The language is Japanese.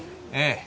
ええ。